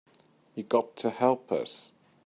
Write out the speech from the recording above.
You got to help us.